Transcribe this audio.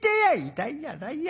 「痛いんじゃないや。